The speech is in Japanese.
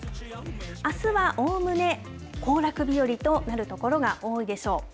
あすはおおむね行楽日和となる所が多いでしょう。